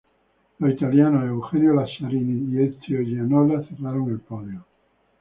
Los italiano Eugenio Lazzarini y Ezio Gianola cerraron el podio.